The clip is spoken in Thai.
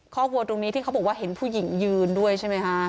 คอกวัวตรงนี้ที่เขาบอกว่าเห็นผู้หญิงยืนด้วยใช่ไหมคะ